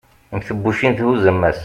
mm tebbucin thuzz ammas